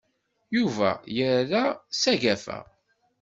Yuba yerra s agafa.